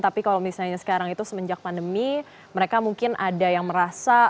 tapi kalau misalnya sekarang itu semenjak pandemi mereka mungkin ada yang merasa